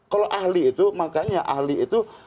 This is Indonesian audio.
kalau ahli itu makanya ahli itu